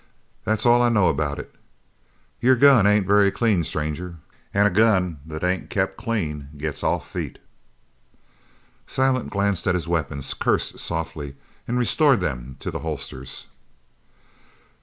That's all I know about it. Your gun ain't very clean, stranger, an' a gun that ain't kept clean gets off feet." Silent glanced at his weapons, cursed softly, and restored them to the holsters.